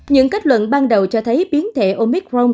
những kết luận ban đầu cho thấy biến thể omicron